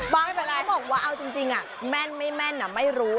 เขาบอกว่าเอาจริงแม่นไม่แม่นไม่รู้